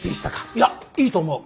いやいいと思う。